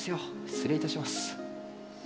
失礼いたします。